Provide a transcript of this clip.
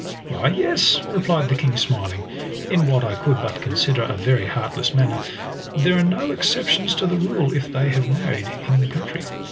"Why, yes," replied the king smiling, in what I could but consider a very heartless manner, "they are no exception to the rule if they have married in the country."